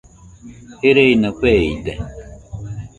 Gereina feide